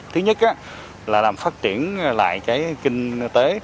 thứ nhất là làm phát triển lại cái kinh tế